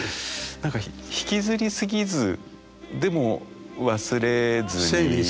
何か引きずりすぎずでも忘れずに。